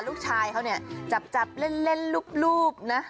ลูกชายเขาเนี่ยจับเล่นรูปนะ